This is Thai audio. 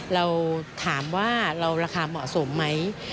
เราถามว่าเราราคาเหมาะสมไหม